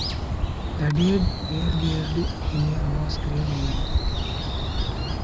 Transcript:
The dead were buried in a mass grave nearby.